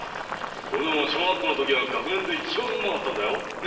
これでも小学校の時は学年で一番うまかったんだよ。ね？